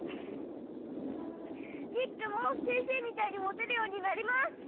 みっくんも先生みたいにモテるようになります！